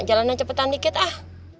jalannya cepetan dikit ah